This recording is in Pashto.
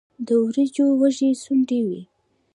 د وریجو وږی ځوړند وي.